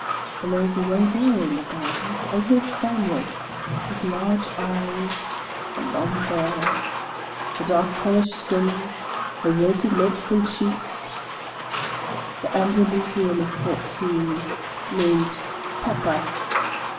And there is a young girl in the garden, — a little Spaniard, with large eyes and long hair, her dark polished skin, her rosy lips and cheeks, the Andalusian pf fourteen, named Pepa.